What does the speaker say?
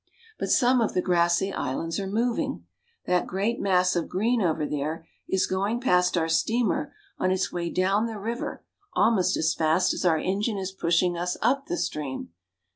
But some of the grassy islands are moving. That great mass of green over there is going past our steamer on its way down the river almost as fast as our engine is pushing us up the stream.